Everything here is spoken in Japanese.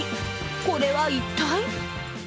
これは一体？